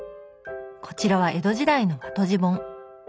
こちらは江戸時代の和綴じ本。